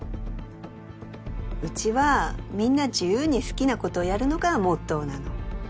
うちはみんな自由に好きなことやるのがモットーなの。